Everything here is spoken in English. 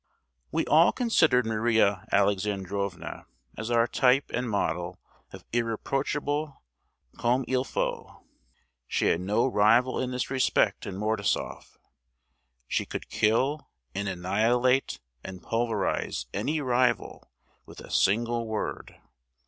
We all considered Maria Alexandrovna as our type and model of irreproachable comme il faut! She had no rival in this respect in Mordasoff! She could kill and annihilate and pulverize any rival with a single word.